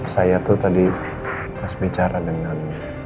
saya tuh tadi pas bicara dengan